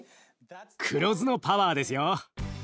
黒酢のパワーですよ。